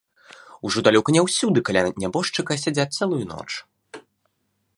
Ужо далёка не ўсюды каля нябожчыка сядзяць цэлую ноч.